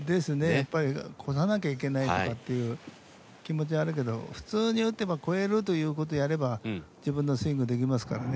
やっぱり越さなきゃいけないとかっていう気持ちはあるけど普通に打てば越えるということやれば自分のスイングできますからね。